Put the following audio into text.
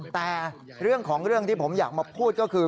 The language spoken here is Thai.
แต่เรื่องของเรื่องที่ผมอยากมาพูดก็คือ